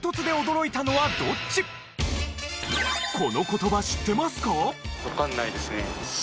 この言葉知ってますか？